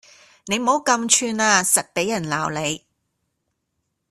你唔好咁串呀實畀人鬧你